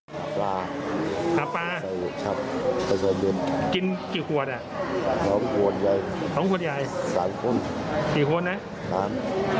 ชายผมล้อเล่ม๔คนนะแล้วตานอนตรงไหน